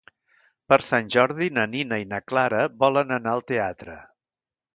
Per Sant Jordi na Nina i na Clara volen anar al teatre.